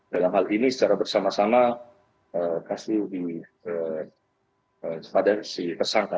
dalam hal ini secara bersama sama kasih kepada si tersangka